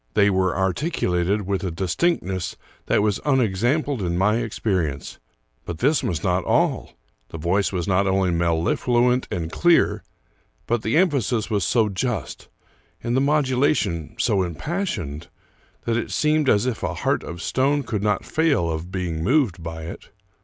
They were articu lated with a distinctness that was unexampled in my experi ence. But this was not all. The voice was not only mel lifluent and clear, but the emphasis was so just, and the modulation so impassioned, that it seemed as if a heart of stone could not fail of being moved by it.